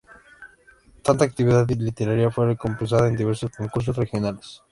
Tanta actividad literaria fue recompensada en diversos concursos regionales.